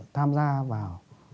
tham gia vào